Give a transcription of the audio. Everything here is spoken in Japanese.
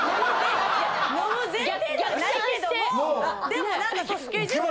でも何かスケジュール。